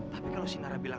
tapi kalau si nara bilang